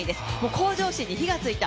向上心に火がついた。